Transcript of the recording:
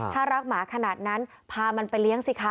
ถ้ารักหมาขนาดนั้นพามันไปเลี้ยงสิคะ